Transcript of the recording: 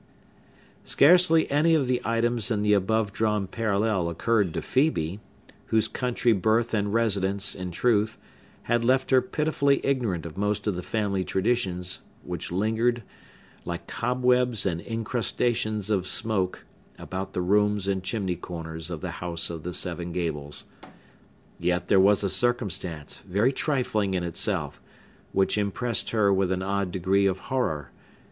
Scarcely any of the items in the above drawn parallel occurred to Phœbe, whose country birth and residence, in truth, had left her pitifully ignorant of most of the family traditions, which lingered, like cobwebs and incrustations of smoke, about the rooms and chimney corners of the House of the Seven Gables. Yet there was a circumstance, very trifling in itself, which impressed her with an odd degree of horror.